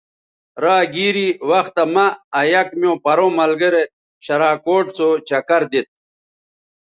را گیری وختہ مہ آ یک میوں پروں ملگرے شراکوٹ سو چکر دیتھ